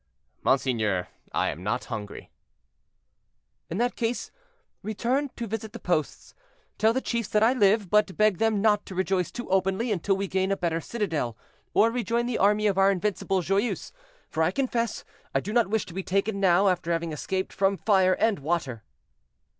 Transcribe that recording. "Monseigneur, I am not hungry." "In that case return to visit the posts. Tell the chiefs that I live, but beg them not to rejoice too openly until we gain a better citadel, or rejoin the army of our invincible Joyeuse, for I confess I do not wish to be taken now, after having escaped from fire and water."